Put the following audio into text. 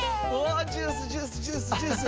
ジュースジュースジュースジュース。